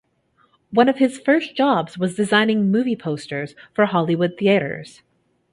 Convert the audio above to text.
One of his first jobs was designing movie posters for Hollywood theaters.